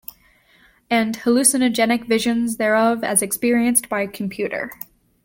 And hallucinogenic visions thereof as experienced by a computer.